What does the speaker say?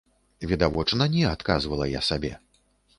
Відавочна не, адказвала я сабе.